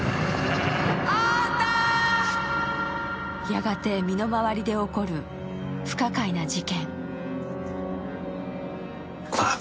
やがて身の周りで起こる不可解な事件。